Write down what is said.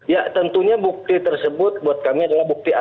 ya tentunya bukti tersebut buat kami adalah bukti awal